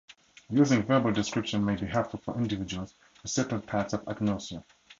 Using verbal descriptions may be helpful for individuals with certain types of agnosia.